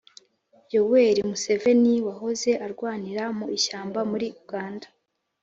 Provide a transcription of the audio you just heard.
yoweri museveni wahoze arwanira mu ishyamba muri uganda,